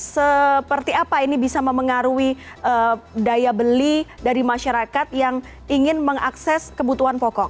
seperti apa ini bisa memengaruhi daya beli dari masyarakat yang ingin mengakses kebutuhan pokok